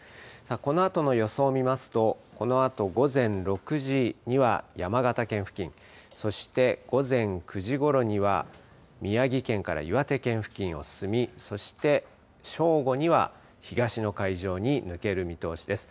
このあとの予想を見ますとこのあと午前６時には山形県付近そして午前９時ごろには宮城県から岩手県付近を進みそして、正午には東の海上に抜ける見通しです。